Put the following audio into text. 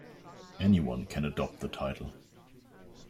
Anyone can adopt the title.